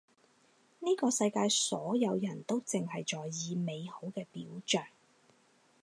呢個世界所有人都淨係在意美好嘅表象